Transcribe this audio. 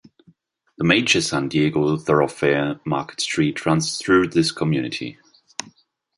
The major San Diego thoroughfare Market Street runs through this community.